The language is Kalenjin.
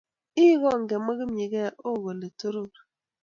I kongemwa kipnyigei o kole toror